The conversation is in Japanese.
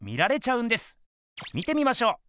見てみましょう！